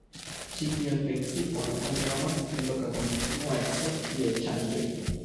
Ĉi tiun principon oni nomas "loka kontinueco je ŝanĝoj".